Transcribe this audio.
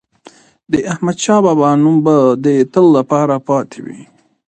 د احمدشاه بابا نوم به د تل لپاره پاتې وي.